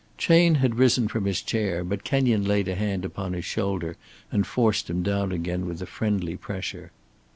Chayne had risen from his chair, but Kenyon laid a hand upon his shoulder and forced him down again with a friendly pressure.